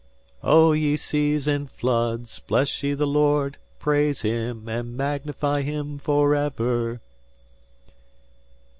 "O ye Seas and Floods, bless ye the Lord: praise him, and magnify him for ever!"